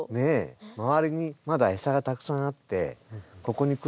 周りにまだ餌がたくさんあってここに来る必要がない。